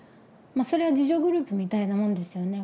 それは自助グループみたいなもんですよね。